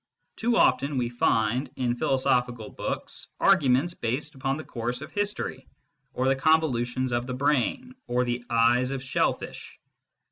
Too often we find in philosophical books arguments based upon the course of history, or the convolutions of the brain, or the eyes of shell fish.